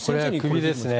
首ですね。